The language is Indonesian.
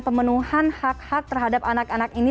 pemenuhan hak hak terhadap anak anak ini